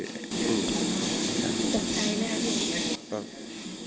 ตกใจไหมครับพี่